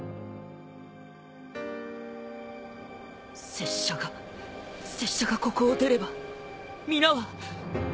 拙者が拙者がここを出れば皆は。